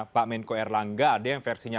pak menko erlangga ada yang versinya